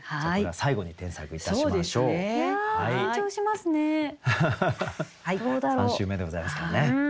３週目でございますからね。